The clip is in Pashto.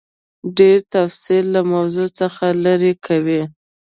ډېر تفصیل له موضوع څخه لیرې کوي.